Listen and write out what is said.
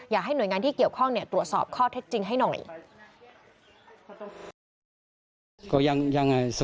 อยากให้หน่วยงานที่เกี่ยวข้องตรวจสอบข้อเท็จจริงให้หน่อย